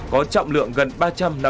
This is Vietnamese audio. có trọng lượng gần ba trăm năm mươi gram